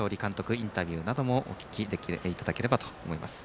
インタビューなどもお聞きいただければと思います。